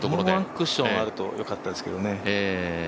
もうワンクッションあるとよかったですけどね。